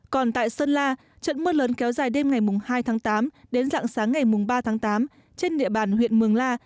còn tại sơn la trận mưa lớn kéo dài đêm ngày hai tháng tám đến dạng sáng ngày ba tháng tám trên địa bàn huyện mường la